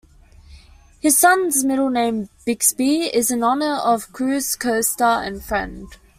His son's middle name, Bixby, is in honor of Cruz's co-star and friend.